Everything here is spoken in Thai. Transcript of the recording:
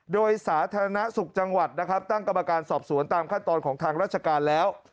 โดยสาธารณสุขจังหวัดนะครับตั้งกรรมการสอบสวนตามขั้นตอนของทางราชการแล้ว